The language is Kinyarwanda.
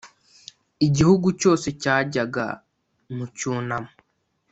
Igihugu cyose cyajyaga mu cyunamo